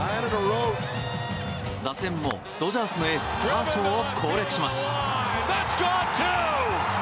打線もドジャースのエースカーショーを攻略します。